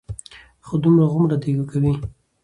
خو دغومره دې کوي،